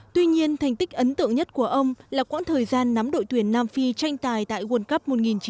tuy nhiên thành tích ấn tượng nhất của ông là quãng thời gian nắm đội tuyển nam phi tranh tài tại world cup một nghìn chín trăm tám mươi hai